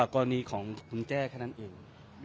กรณีของคุณแจ้แค่นั้นเอง